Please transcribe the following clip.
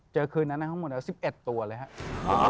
คืนนั้นทั้งหมด๑๑ตัวเลยครับ